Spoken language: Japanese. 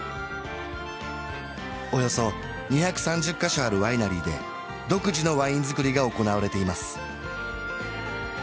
およそ２３０か所あるワイナリーで独自のワイン造りが行われています